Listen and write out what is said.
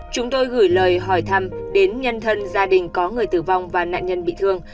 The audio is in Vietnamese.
chúng tôi gửi lời hỏi thăm đến nhân thân gia đình có người tử vong và nạn nhân bị thương